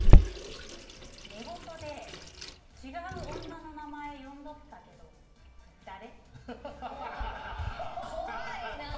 「寝言で違う女の名前呼んどったけど誰？」。